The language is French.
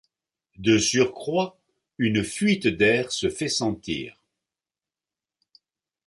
De surcroît, une fuite d'air se fait sentir.